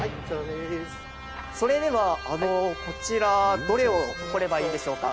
それでは、こちら、どれを掘ればいいでしょうか？